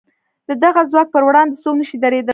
د دغه ځواک پر وړاندې څوک نه شي درېدلای.